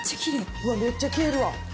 うわっ、めっちゃ消える。